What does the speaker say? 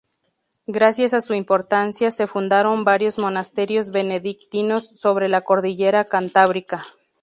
Gracias a su importancia, se fundaron varios monasterios benedictinos sobre la cordillera cantábrica.